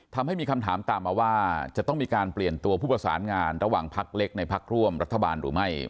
ทำให้มีคำถามตามมาว่าจะต้องมีการเปลี่ยนตัวผู้ประสานงานระหว่างพักเล็กในพักร่วมรัฐบาลหรือไม่